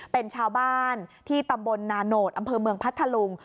เป็นชาวบ้านที่ตำบลนาโนธอำเภอเมืองพัทธลุง